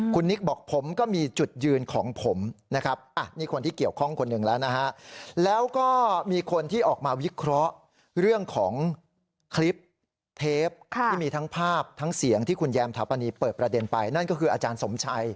คลิปเทปที่มีทั้งภาพทั้งเสียงที่คุณแยมทับอันนี้เปิดประเด็นไปนั่นก็คืออาจารย์สมชัย